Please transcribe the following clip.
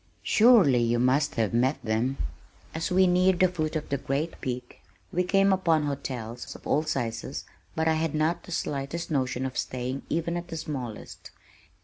"Surely you must have met them." As we neared the foot of the great peak we came upon hotels of all sizes but I had not the slightest notion of staying even at the smallest.